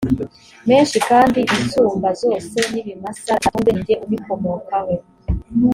menshi kandi insumba zose n ibimasa databuja atunze ni nge bikomokaho